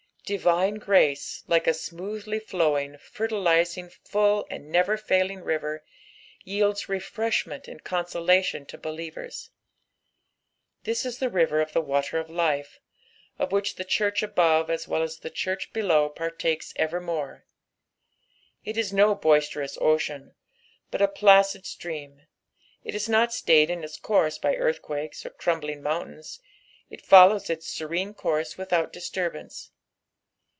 Dinne grace like & smoothly flowing, fertiliiltig, full, and never failing river, jieldn reEreshment and consolation to belieTera. This \i the rirer of tbe water of life, of which the church above as well as the church below partakes evermore. It ia no boisterous ocean, but a placid stream, it ia not Bts;ed in its courHi by earthquakes or crumbling mountains, it follows its serene course without diaturbance.